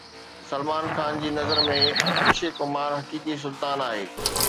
سلمان خان جي نظر ۾ اڪشي ڪمار حقيقي سلطان آهي